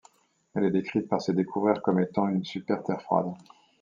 Elle est décrite par ses découvreurs comme étant une Super-terre froide.